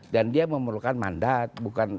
dan dia memerlukan mandat